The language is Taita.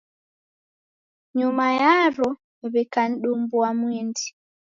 Nyuma yaro w'ikanidumbua mwindi.